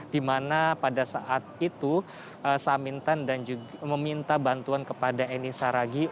di mana pada saat itu samintan meminta bantuan kepada eni saragi